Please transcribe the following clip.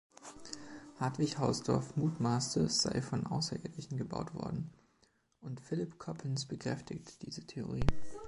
Hartwig Hausdorf mutmaßte, es sei von Außerirdischen gebaut worden, und Philip Coppens bekräftigte diese Theorie.